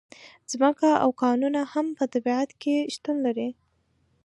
ځمکه او کانونه هم په طبیعت کې شتون لري.